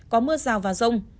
có mưa rào và rông